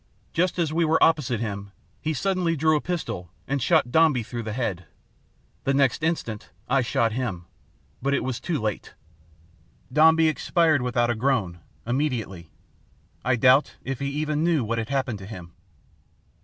Just as we were opposite him, he suddenly drew a pistol and shot Dombey through the head. The next instant I shot him. But it was too late. Dombey expired without a groan, immediately. I doubt if he even knew what had happened to him.